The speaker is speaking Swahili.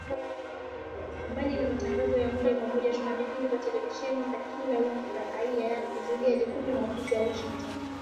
Mbali na matangazo ya moja kwa moja tuna vipindi vya televisheni vya kila wiki vya Afya Yako, Zulia Jekundu na Ofisi ya Washingotn